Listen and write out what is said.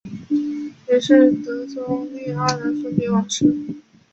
于是德宗令二人分别主事。